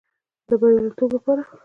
د بریالیتوب لپاره